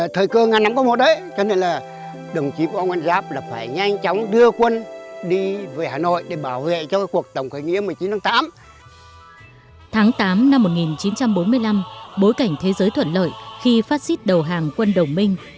tháng tám năm một nghìn chín trăm bốn mươi năm bối cảnh thế giới thuận lợi khi phát xít đầu hàng quân đồng minh